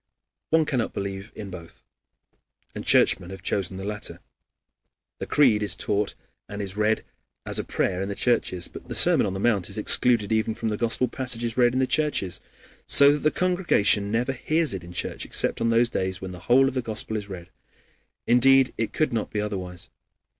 One cannot believe in both. And Churchmen have chosen the latter. The Creed is taught and is read as a prayer in the churches, but the Sermon on the Mount is excluded even from the Gospel passages read in the churches, so that the congregation never hears it in church, except on those days when the whole of the Gospel is read. Indeed, it could not be otherwise.